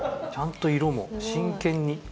ちゃんと色も真剣に。